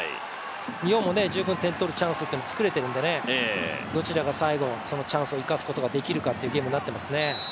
日本も十分、点を取るチャンスを作れてるのでどちらが最後、チャンスをものにすることができるかというゲームになってきてますね。